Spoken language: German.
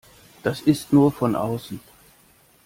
Das ist nur von außen.